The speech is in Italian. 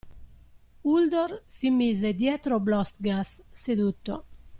Uldor si mise dietro Blostgas, seduto.